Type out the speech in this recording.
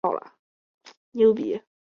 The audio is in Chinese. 元延元年刘快被封为徐乡侯。